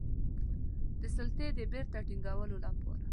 د سلطې د بیرته ټینګولو لپاره.